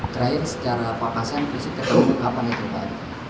terakhir secara pak pasien apa nih itu pak